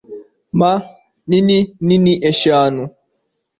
mpa nini nini eshanu